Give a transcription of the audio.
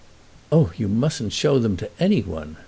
"Oh, you mustn't show them to anyone!"